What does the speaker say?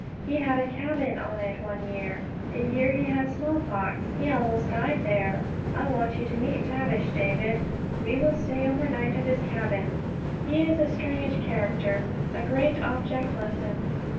He had a cabin on it one year, the year he had small pox. He almost died there. I want you to meet Tavish, David. We will stay overnight at his cabin. He is a strange character a great object lesson."